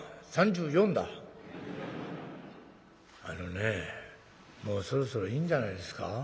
「あのねもうそろそろいいんじゃないですか？